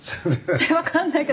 わかんないけど」